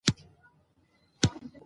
موږ باید تل مثبت فکر او ښه نیت ولرو